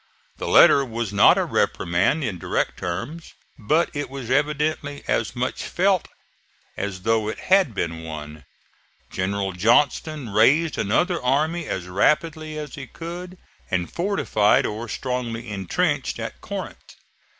The letter was not a reprimand in direct terms, but it was evidently as much felt as though it had been one. General Johnston raised another army as rapidly as he could, and fortified or strongly intrenched at Corinth.